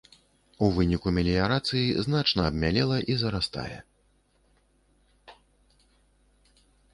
У выніку меліярацыі значна абмялела і зарастае.